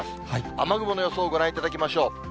雨雲の予想をご覧いただきましょう。